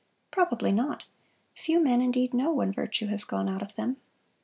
Probably not few men indeed know when virtue has gone out of them.